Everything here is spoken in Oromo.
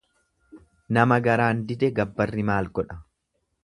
Nama garaan dide gabbarri maal godha.